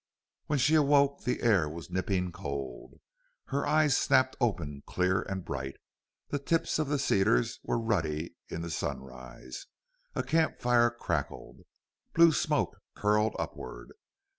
When she awoke the air was nipping cold. Her eyes snapped open clear and bright. The tips of the cedars were ruddy in the sunrise. A camp fire crackled. Blue smoke curled upward.